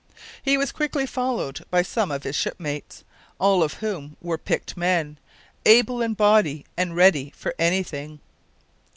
He was quickly followed by some of his shipmates, all of whom were picked men able in body and ready for anything.